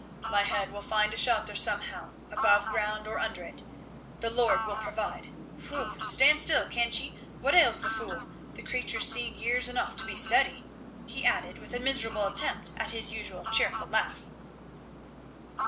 My head will find a shelter somehow, above ground or under it. The Lord will provide. Whey! stand still, can't ye! what ails the fool? The creature's seen years enough to be steady," he added with a miserable attempt at his usual cheerful laugh.